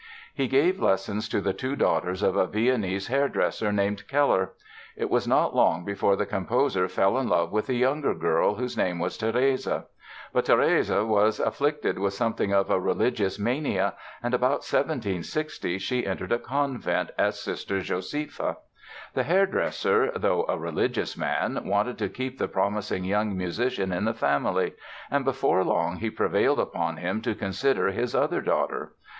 He gave lessons to the two daughters of a Viennese hairdresser named Keller. It was not long before the composer fell in love with the younger girl, whose name was Therese. But Therese was afflicted with something of a religious mania and, about 1760, she entered a convent, as Sister Josepha. The hair dresser, though a religious man, wanted to keep the promising young musician in the family, and before long he prevailed upon him to consider his other daughter.